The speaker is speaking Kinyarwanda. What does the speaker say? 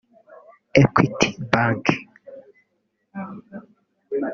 Equity Bank